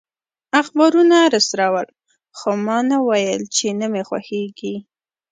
اخبارونه راسره ول، خو ما نه ویل چي نه مي خوښیږي.